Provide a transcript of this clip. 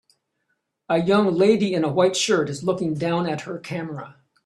A young lady in a white shirt is looking down at her camera